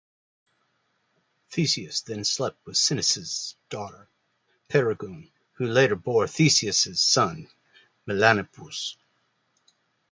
Theseus then slept with Sinis's daughter, Perigune, who later bore Theseus's son, Melanippus.